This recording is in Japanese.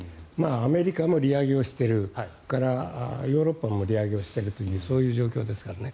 アメリカも利上げをしているそれからヨーロッパも利上げをしているそういう状況ですからね。